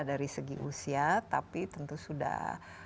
dari segi usia tapi tentu sudah